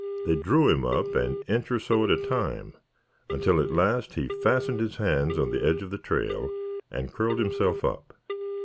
They drew him up an inch or so at a time, until at last he fastened his hands on the edge of the trail and curled himself up.